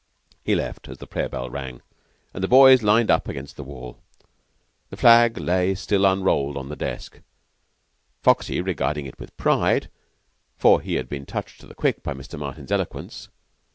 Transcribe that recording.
He left as the prayer bell rang, and the boys lined up against the wall. The flag lay still unrolled on the desk, Foxy regarding it with pride, for he had been touched to the quick by Mr. Martin's eloquence.